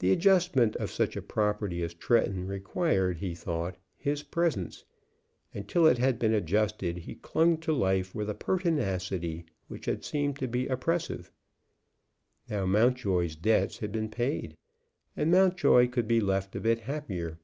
The adjustment of such a property as Tretton required, he thought, his presence, and, till it had been adjusted, he clung to life with a pertinacity which had seemed to be oppressive. Now Mountjoy's debts had been paid, and Mountjoy could be left a bit happier.